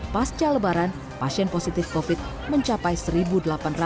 pasca lebaran pasien positif di bekasi akan menambah empat rumah sakit di bekasi utara